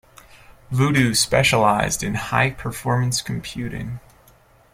Voodoo specialized in high performance computing.